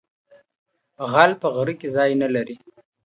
¬ غل په غره کي ځاى نه لري.